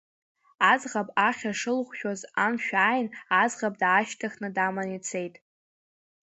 Аӡӷаб ахьа шылҟәшәоз амшә ааин, аӡӷаб даашьҭыхны даман ицет.